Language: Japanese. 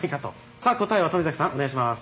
さあ答えは富崎さんお願いします。